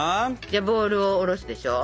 ボウルを下ろすでしょ。